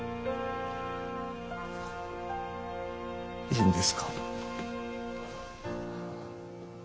いいんですか？